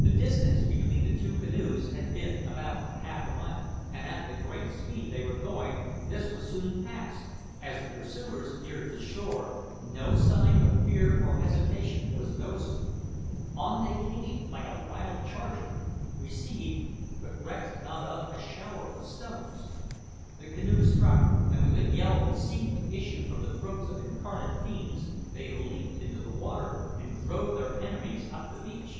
The distance between the two canoes had been about half a mile, and at the great speed they were going, this was soon passed. As the pursuers neared the shore, no sign of fear or hesitation was noticeable. On they came, like a wild charger received, but recked not of, a shower of stones. The canoe struck, and with a yell that seemed to issue from the throats of incarnate fiends, they leaped into the water and drove their enemies up the beach.